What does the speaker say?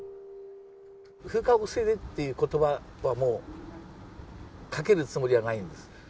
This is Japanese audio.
風化を防ぐっていうことばは、もうかけるつもりはないんです。